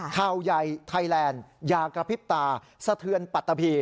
ข่าวใหญ่ไทยแลนด์อย่ากระพริบตาสะเทือนปัตตะพี